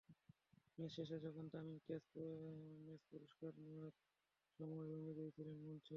Match শেষে যখন Tamim match সেরার পুরস্কার নেওয়ার সময় রমিজই ছিলেন মঞ্চে।